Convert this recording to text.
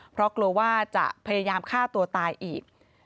เพราะกลัวว่าจะพยายามฆ่าตัวตายอีก